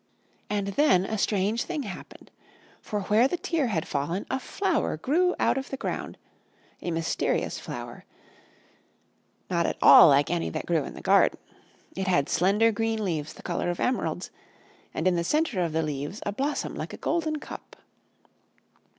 And then a strange thing happened. For where the tear had fallen a flower grew out of the ground, a mysterious flower, not at all like any that grew in the garden. It had slender green leaves the colour of emeralds, and in the centre of the leaves a blossom like a golden cup.